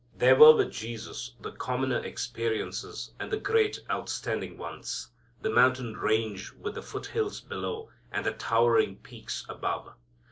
There were with Jesus the commoner experiences and the great outstanding ones: the mountain range with the foot hills below and the towering peaks above.